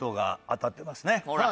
ほら！